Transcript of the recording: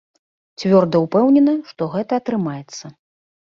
Цвёрда ўпэўнена, што гэта атрымаецца.